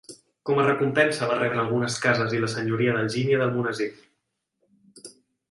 Com a recompensa va rebre algunes cases i la Senyoria d'Algímia d'Almonesir.